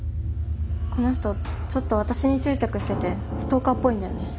この人ちょっと私に執着しててストーカーっぽいんだよね。